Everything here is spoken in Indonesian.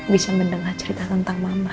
bisa mendengar cerita tentang mama